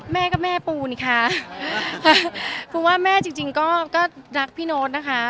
แม่ก็แม่ปูนี่คะปูว่าแม่จริงจริงก็รักพี่โน๊ตนะคะ